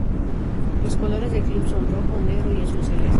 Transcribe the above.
Los colores del club son rojo, negro y azul celeste.